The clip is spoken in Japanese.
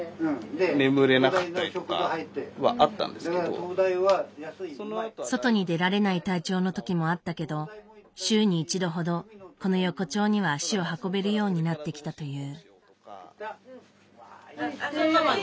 今は外に出られない体調のときもあったけど週に一度ほどこの横丁には足を運べるようになってきたという。